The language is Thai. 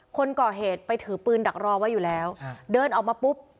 คนก่อเหตุไปถือปืนดักรอไว้อยู่แล้วเดินออกมาปุ๊บ